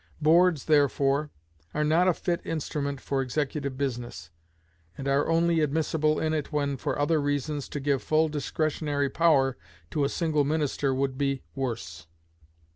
Boards, therefore, are not a fit instrument for executive business, and are only admissible in it when, for other reasons, to give full discretionary power to a single minister would be worse.